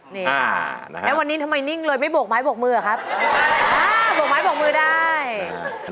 นี่แล้ววันนี้ทำไมนิ่งเลยไม่โบกไม้บกมือเหรอครับอ่าบวกไม้บกมือได้